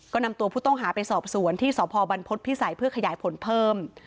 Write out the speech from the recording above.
ก็นำตัวผู้ต้องหาไปสอบสวนที่สพบรรพฤษภิษัยเพื่อขยายผลเพิ่ม